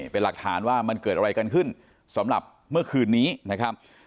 เป็นหลักฐานว่ามันเกิดอะไรกันขึ้นสำหรับเมื่อคืนนี้นะครับ